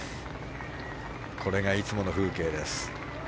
これがいつもの風景です。